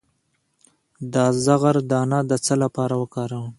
د زغر دانه د څه لپاره وکاروم؟